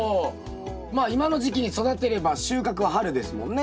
まあ今の時期に育てれば収穫は春ですもんね。